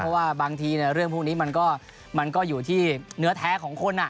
เพราะว่าบางทีเรื่องพวกนี้มันก็อยู่ที่เนื้อแท้ของคน